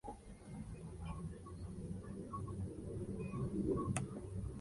Estudia en el seminario de Barcelona.